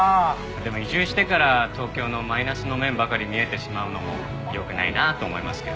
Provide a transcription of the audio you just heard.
でも移住してから東京のマイナスの面ばかり見えてしまうのもよくないなと思いますけど。